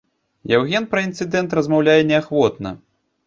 Яўген пра інцыдэнт размаўляе неахвотна.